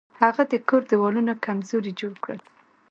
هغه د کور دیوالونه کمزوري جوړ کړل.